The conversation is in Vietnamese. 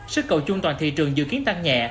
sức cầu chung toàn thị trường dự kiến tăng nhẹ